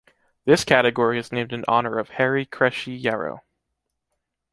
This category is named in honour of Harry Crécy Yarrow.